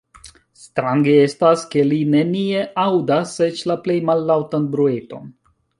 Strange estas, ke li nenie aŭdas eĉ la plej mallaŭtan brueton.